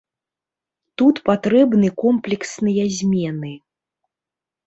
Тут патрэбны комплексныя змены.